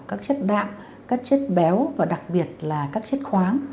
các chất đạm các chất béo và đặc biệt là các chất khoáng